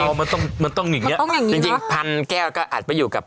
มันต้องอย่างเงี้ยมันต้องอย่างเงี้ยจริงจริงพันธุ์แก้วก็อาจไปอยู่กับ